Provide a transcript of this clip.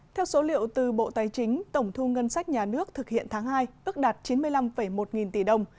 theo số liệu từ bộ tài chính tổng thu ngân sách nhà nước thực hiện tháng hai ước đạt chín mươi năm một nghìn tỷ đồng